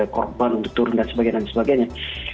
korban untuk turun dan sebagainya